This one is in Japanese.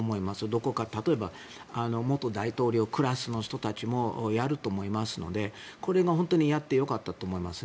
どこか、例えば元大統領クラスの人たちもやると思いますのでこれは本当にやってよかったと思います。